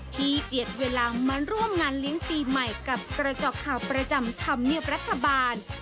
เจียดเวลามาร่วมงานเลี้ยงปีใหม่กับกระจอกข่าวประจำธรรมเนียบรัฐบาล